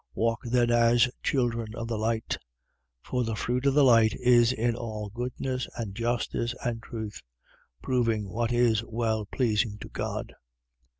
Walk then as children of the light. 5:9. For the fruit of the light is in all goodness and justice and truth: 5:10. Proving what is well pleasing to God.